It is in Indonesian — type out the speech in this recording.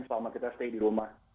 selama kita stay di rumah